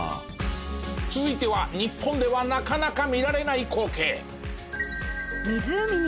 続いては日本ではなかなか見られない光景。